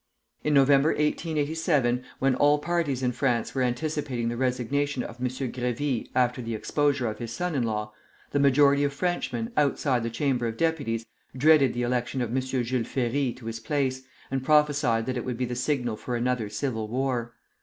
In November, 1887, when all parties in France were anticipating the resignation of M. Grévy after the exposure of his son in law, the majority of Frenchmen, outside the Chamber of Deputies, dreaded the election of M. Jules Ferry to his place, and prophesied that it would be the signal for another civil war.